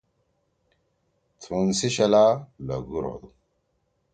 تُھن سی شلا لھگُور ہودو۔